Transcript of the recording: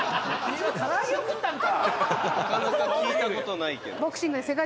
「なかなか聞いた事ないけど」